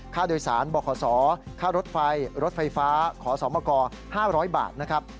ค่าโดยสารบ่อขสอค่ารถไฟรถไฟฟ้าขอสอบประกอบ๕๐๐บาทนะครับ